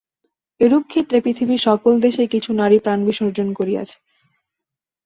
এরূপ ক্ষেত্রে পৃথিবীর সকল দেশেই কিছু নারী প্রাণবিসর্জন করিয়াছে।